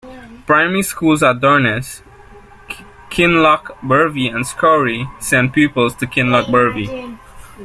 Primary schools at Durness, Kinlochbervie and Scourie send pupils to Kinlochbervie.